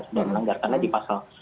sudah melanggar karena di pasal